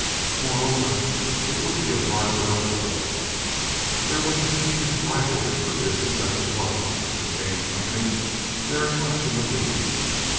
Moreover, it would be a hard row to hoe. There was the keenest rivalry for business as it was, with the Kane Company very much in the lead.